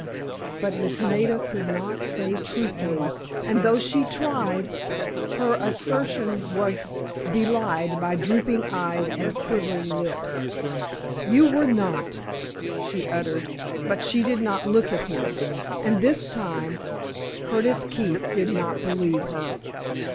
But this Maida could not say truthfully, and though she tried, her assertion was belied by drooping eyes and quivering lips. "You were not," she uttered, but she did not look at him, and this time Curtis Keefe did not believe her.